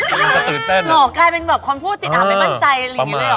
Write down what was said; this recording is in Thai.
อ๋อคลายเป็นแบบความพูดติดอาบเป็นมั่นใจอะไรอย่างนี้เลยหรอ